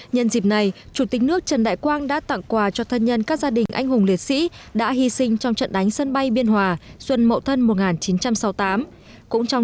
nhân dịp này chủ tịch nước trần đại quang đã tặng quà cho thân nhân các gia đình anh hùng liệt sĩ đã hy sinh trong trận đánh sân bay biên hòa xuân mậu thân một nghìn chín trăm sáu mươi tám